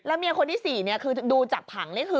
และเมียคนที่๔ครือดูจากผัง